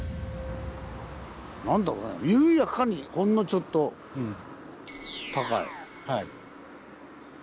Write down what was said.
何だろね緩やかにほんのちょっと高い。